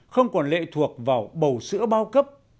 không còn lệ thuộc vào bầu sữa bao cấp